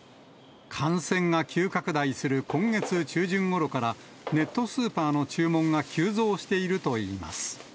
感染が急拡大する今月中旬ごろから、ネットスーパーの注文が急増しているといいます。